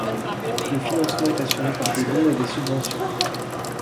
Le financement est assuré par des dons et des subventions.